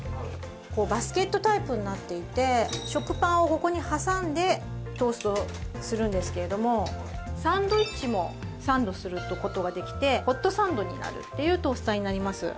こうバスケットタイプになっていて食パンをここに挟んでトーストするんですけれどもサンドイッチもサンドすることができてホットサンドになるっていうトースターになります